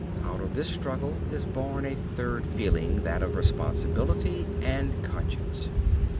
Out of this struggle is born a third feeling, that of responsibility and conscience.